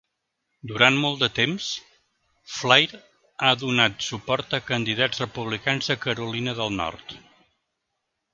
Durant molt de temps, Flair ha donat suport a candidats republicans de Carolina del Nord.